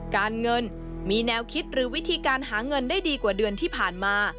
การเงินมีแนวคิดหรือวิธีการหาเงินได้ดีกว่าเดือนที่ผ่านมา